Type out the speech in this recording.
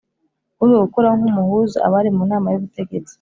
Kubuzwa gukora nk’umuhuza Abari mu nama y’ubutegetsi,